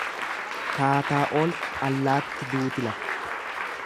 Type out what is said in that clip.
Kaataa ooltu allaatti duuti lafa.